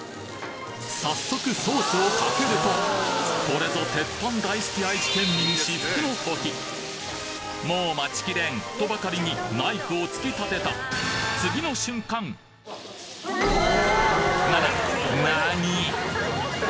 早速ソースをかけるとこれぞ鉄板大好き愛知県民もう待ちきれん！とばかりにナイフを突き立てたなななにぃ！